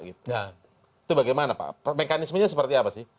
itu bagaimana pak mekanismenya seperti apa sih